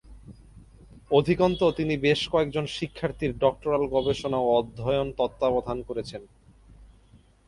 অধিকন্তু তিনি বেশ কয়েকজন শিক্ষার্থীর ডক্টরাল গবেষণা ও অধ্যয়ন তত্ত্বাবধান করেছেন।